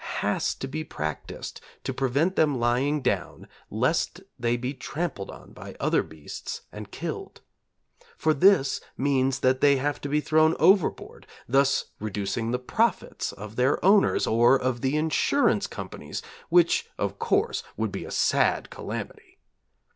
has to be practised to prevent them lying down lest they be trampled on by other beasts and killed; for this means that they have to be thrown overboard, thus reducing the profits of their owners, or of the insurance companies, which, of course, would be a sad calamity.